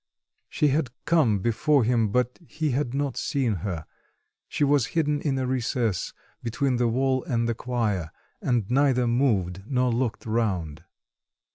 She had come before him, but he had not seen her; she was hidden in a recess between the wall and the choir, and neither moved nor looked round.